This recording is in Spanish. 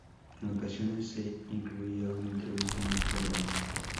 En ocasiones se incluía una entrevista en el programa.